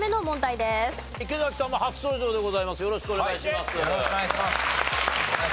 よろしくお願いします。